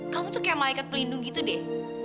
kamu tuh kayak malaikat pelindung gitu deh